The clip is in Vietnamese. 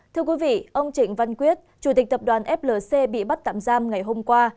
thưa quý vị ông trịnh văn quyết chủ tịch tập đoàn flc bị bắt tạm giam ngày hôm qua